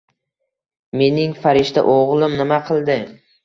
— Mening farishta o'g'lim nima qildi?